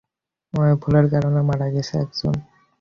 ঐ ভুলের কারণে মারা গেছে একজন।